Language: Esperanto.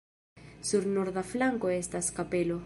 Sur norda flanko estas kapelo.